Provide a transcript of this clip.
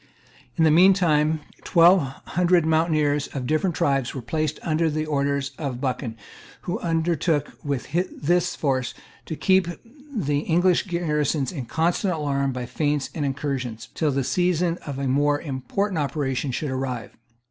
In the mean time twelve hundred mountaineers of different tribes were placed under the orders of Buchan, who undertook, with this force, to keep the English garrisons in constant alarm by feints and incursions, till the season for more important operations should arrive.